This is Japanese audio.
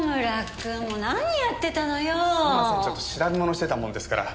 ちょっと調べ物してたものですから。